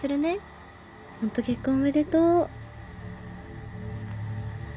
ホント結婚おめでとう。